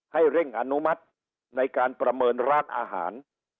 ให้เร่งอนุมัติในการประเมินร้านอาหาร